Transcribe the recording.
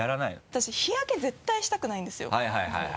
私日焼け絶対したくないんですよ。